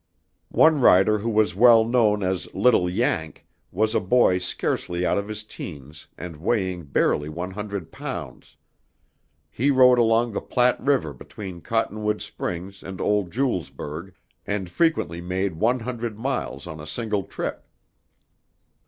One rider who was well known as "Little Yank" was a boy scarcely out of his teens and weighing barely one hundred pounds. He rode along the Platte River between Cottonwood Springs and old Julesburg and frequently made one hundred miles on a single trip.